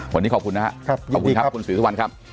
วันนี้ขอบคุณนะครับขอบคุณครับคุณศรีสุวรรณครับ